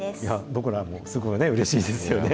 僕らも、すごいうれしいですよね。